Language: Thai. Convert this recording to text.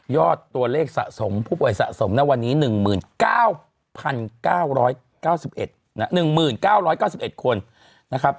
ยอดตัวเลขสะสมผู้ป่วยสะสมณวันนี้๑๙๙๙๑คน